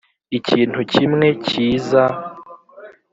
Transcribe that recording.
ikintu kimwe kiza